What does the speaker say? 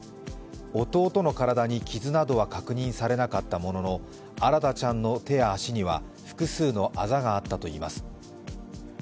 弟の体に傷などは確認されなかったものの新大ちゃんの手や足には複数のあざがあったといいます。